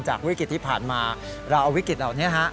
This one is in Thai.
วิกฤตที่ผ่านมาเราเอาวิกฤตเหล่านี้ฮะ